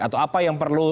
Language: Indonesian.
atau apa yang perlu